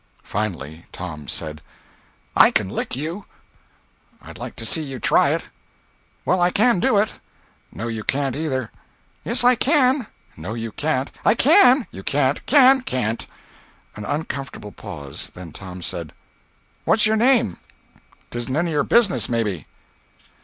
Finally Tom said: "I can lick you!" "I'd like to see you try it." "Well, I can do it." "No you can't, either." "Yes I can." "No you can't." "I can." "You can't." "Can!" "Can't!" An uncomfortable pause. Then Tom said: "What's your name?" "'Tisn't any of your business, maybe."